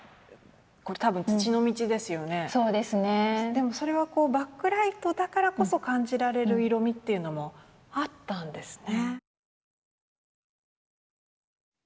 でもそれはこうバックライトだからこそ感じられる色みというのもあったんですね。